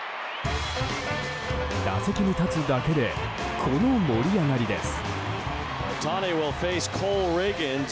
打席に立つだけでこの盛り上がりです。